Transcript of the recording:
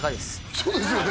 そうですよね